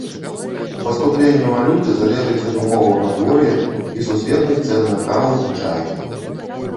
Паступленне валюты залежыць ад умоваў надвор'я і сусветных цэн на каву і чай.